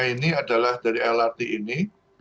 ini adalah dari lrt ini